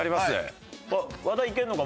和田いけるのか？